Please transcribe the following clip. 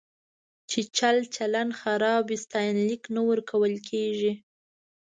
چې چلچلن خراب وي، ستاینلیک نه ورکول کېږي.